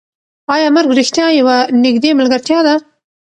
ایا مرګ رښتیا یوه نږدې ملګرتیا ده؟